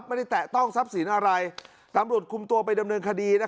แตะต้องทรัพย์สินอะไรตำรวจคุมตัวไปดำเนินคดี